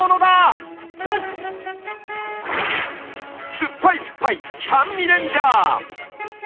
酸っぱい酸っぱい酸味レンジャー！